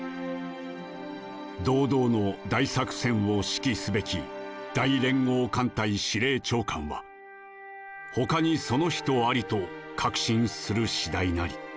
「堂々の大作戦を指揮すべき大連合艦隊司令長官はほかにその人ありと確信する次第なり」。